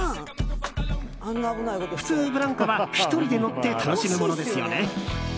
普通、ブランコは１人で乗って楽しむものですよね。